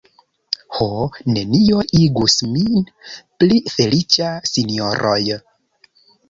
Ho; nenio igus min pli feliĉa, sinjoroj.